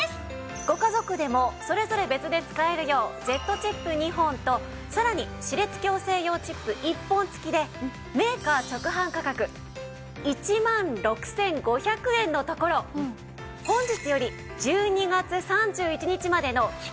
ご家族でもそれぞれ別で使えるようジェットチップ２本とさらに歯列矯正用チップ１本付きでメーカー直販価格１万６５００円のところ本日より１２月３１日までの期間